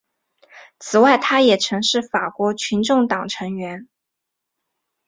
此外他也曾是法国群众党成员。